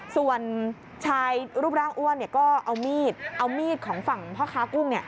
ส่วนชายรูปร่างอ้วนเนี่ยก็เอามีดของฝั่งพ่อค้ากุ้งเนี่ย